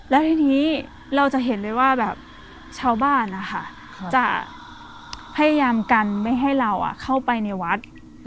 แล้วทีนี้เราจะเห็นเลยว่าแบบชาวบ้านนะคะจะพยายามกันไม่ให้เราเข้าไปในวัด